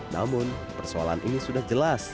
namun persoalan ini sudah jelas